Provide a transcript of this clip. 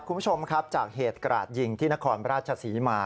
คุณผู้ชมครับจากเหตุกราดยิงที่นครราชศรีมา